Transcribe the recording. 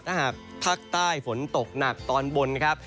ถ้าหากภาคใต้ฝนตกหนักตอนบนนะครับ